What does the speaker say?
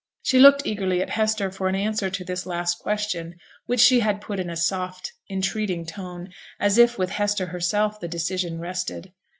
She looked eagerly at Hester for an answer to this last question, which she had put in a soft, entreating tone, as if with Hester herself the decision rested.